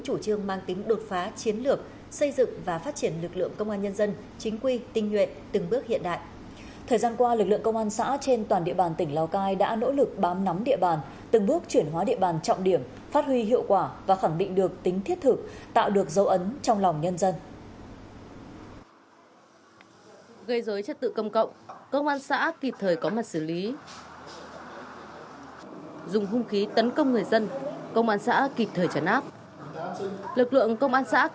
các bộ chiến sĩ công an cấp xã trên địa bàn tỉnh nào cai đã làm tốt công tác nắm tình hình địa bàn